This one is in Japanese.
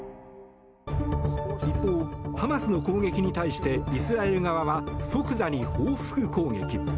一方、ハマス側の攻撃に対してイスラエル側は即座に報復攻撃。